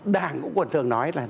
đảng cũng quần thường nói là